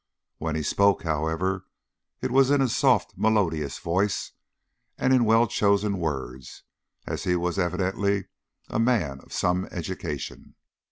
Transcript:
When he spoke, however, it was in a soft, melodious voice, and in well chosen words, and he was evidently a man of some education.